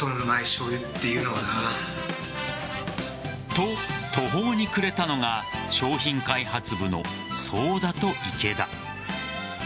と、途方に暮れたのが商品開発部の早田と池田。